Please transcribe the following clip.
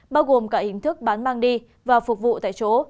bao gồm cả hình thức bán mang đi và phục vụ tại chỗ